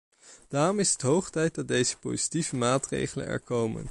Daarom is het hoog tijd dat deze positieve maatregelen er komen.